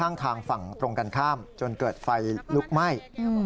ทางฝั่งตรงกันข้ามจนเกิดไฟลุกไหม้